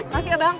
kasih ya bang